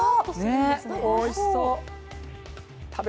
おいしそう。